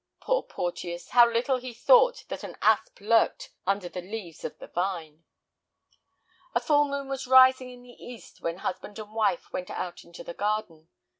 Poor Porteus, how little he thought that an asp lurked under the leaves of the vine! A full moon was rising in the east when husband and wife went out into the garden.